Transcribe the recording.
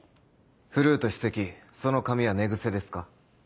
フルート首席その髪は寝癖ですか？